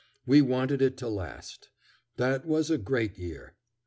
We wanted it to last. That was a great year.